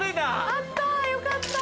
あった！